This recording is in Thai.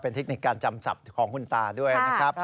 เทคนิคการจำศัพท์ของคุณตาด้วยนะครับ